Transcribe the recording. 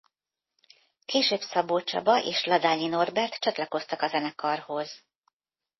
Később Szabó Csaba és Ladányi Norbert csatlakoztak a zenekarhoz.